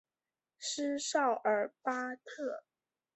斯绍尔巴克。